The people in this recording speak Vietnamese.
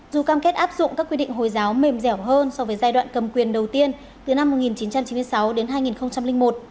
dù cam kết áp dụng các quy định hồi giáo mềm dẻo hơn so với giai đoạn cầm quyền đầu tiên từ năm một nghìn chín trăm chín mươi sáu đến hai nghìn một